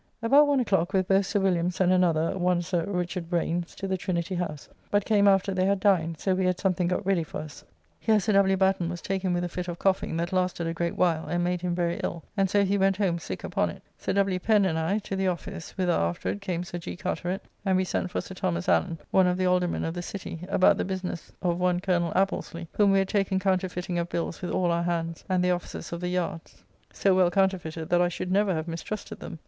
About one o'clock with both Sir Williams and another, one Sir Rich. Branes, to the Trinity House, but came after they had dined, so we had something got ready for us. Here Sir W. Batten was taken with a fit of coughing that lasted a great while and made him very ill, and so he went home sick upon it. Sir W. Pen. and I to the office, whither afterward came Sir G. Carteret; and we sent for Sir Thos. Allen, one of the Aldermen of the City, about the business of one Colonel Appesley, whom we had taken counterfeiting of bills with all our hands and the officers of the yards, so well counterfeited that I should never have mistrusted them.